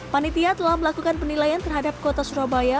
panitia telah melakukan penilaian terhadap kota surabaya